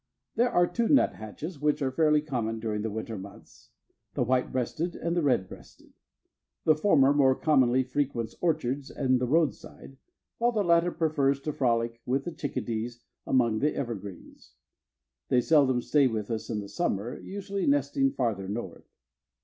There are two nuthatches which are fairly common during the winter months, the white breasted and the red breasted. The former more commonly frequents orchards and the roadside, while the latter prefers to frolic, with the chicadees, among the evergreens. They seldom stay with us in the summer, usually nesting farther north.